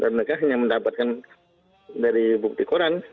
dan mereka hanya mendapatkan dari bukti koran